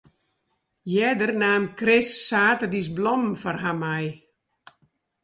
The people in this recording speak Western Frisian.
Earder naam Chris saterdeis blommen foar har mei.